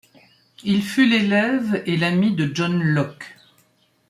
Il fut l'élève et l'ami de John Locke.